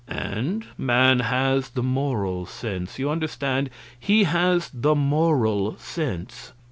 And man has the Moral Sense. You understand? He has the moral Sense.